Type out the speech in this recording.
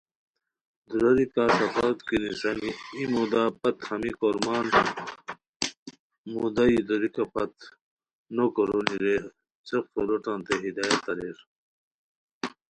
دُوراری کا سفروت کی نیسانی ای مودا پت ہمی کورمان مودائی توریکہ پت نوکورونی رے څیق سو لوٹانتے ہدایت اریر